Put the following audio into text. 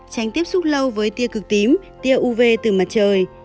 tránh tiếp xúc lâu với tia cực tím tia uv từ mặt trời